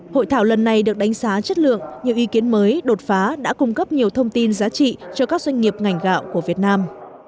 hội thảo lần này được đánh giá chất lượng nhiều ý kiến mới đột phá đã cung cấp nhiều thông tin giá trị cho các doanh nghiệp ngành gạo của việt nam